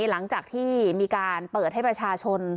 หลังจากที่มีการเปิดให้ประชาชน